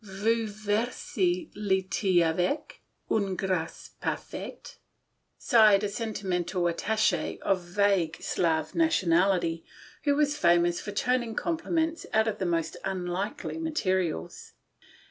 " Vous versez le th6 avec une gr&ce par faite," sighed a sentimental attache of vague Slav nationality, who was famous for turning out compliments from the most unlikely materials.